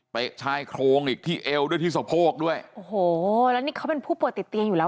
ชายโครงอีกที่เอวด้วยที่สะโพกด้วยโอ้โหแล้วนี่เขาเป็นผู้ป่วยติดเตียงอยู่แล้ว